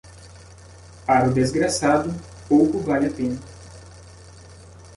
Para o desgraçado, pouco vale a pena.